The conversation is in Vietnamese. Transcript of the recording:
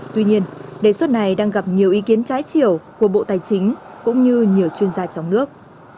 tuy nhiên đề xuất này đang gặp nhiều ý kiến trái chiều của bộ tài chính cũng như nhiều chuyên gia trong nước